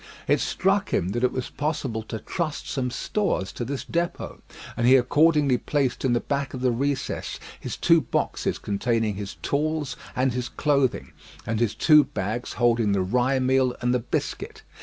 It struck him that it was possible to trust some stores to this depôt, and he accordingly placed in the back of the recess his two boxes containing his tools and his clothing, and his two bags holding the rye meal and the biscuit.